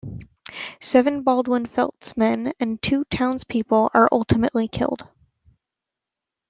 Seven Baldwin-Felts men and two townspeople are ultimately killed.